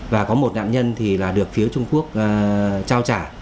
và có một nạn nhân thì là được phía trung quốc trao trả